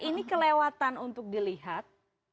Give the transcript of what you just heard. ini kelewatan untuk dilihat